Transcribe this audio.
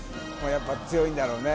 やっぱ強いんだろうね